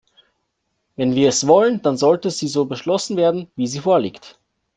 Wenn wir es wollen, dann sollte sie so beschlossen werden, wie sie vorliegt.